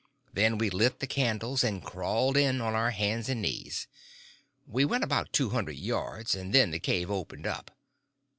Then we lit the candles, and crawled in on our hands and knees. We went about two hundred yards, and then the cave opened up.